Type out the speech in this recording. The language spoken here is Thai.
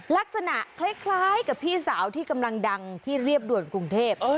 ลักษณะคล้ายกับพี่สาวที่กำลังดังที่เรียบด่วนกรุงเทพ